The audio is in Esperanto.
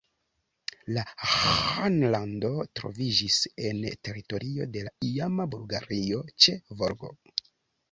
La ĥanlando troviĝis en teritorio de la iama Bulgario ĉe Volgo.